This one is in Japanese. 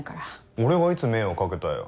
俺がいつ迷惑掛けたよ。